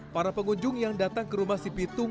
para pengunjung yang datang ke rumah si pitung